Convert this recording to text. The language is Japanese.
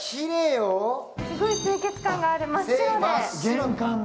すごい清潔感があります、真っ白で。